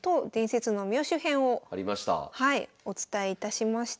はいお伝えいたしました。